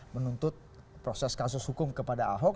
menuntut proses kasus hukum kepada ahok